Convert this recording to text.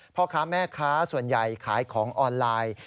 พ่อค้าแม่ค้าส่วนใหญ่ขายของออนไลน์